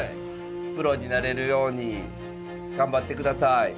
プロになれるように頑張ってください。